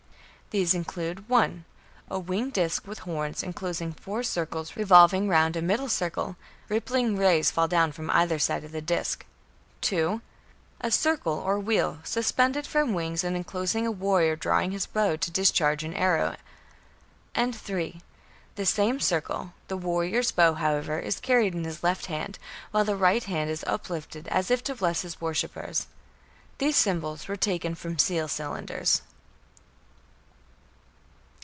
These include (1) a winged disc with horns, enclosing four circles revolving round a middle circle; rippling rays fall down from either side of the disc; (2) a circle or wheel, suspended from wings, and enclosing a warrior drawing his bow to discharge an arrow; and (3) the same circle; the warrior's bow, however, is carried in his left hand, while the right hand is uplifted as if to bless his worshippers. These symbols are taken from seal cylinders.